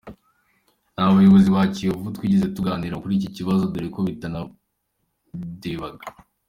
Nta na bayobozi ba Kiyovu twigeze tuganira kuri iki kibazo dore ko bitanandebaga.